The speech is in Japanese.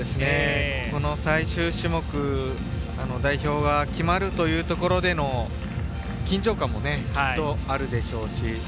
最終種目、代表が決まるというところでの緊張感もきっとあるでしょうし。